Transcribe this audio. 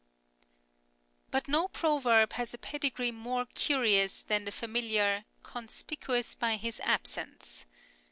But no proverb has a pedigree more curious than the familiar " Con spicuous by his absence."